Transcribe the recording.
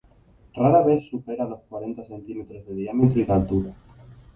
Rara vez supera los cuarenta centímetros de diámetro y de altura.